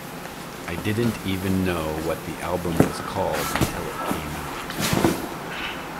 I didn't even know what the album was called until it came out.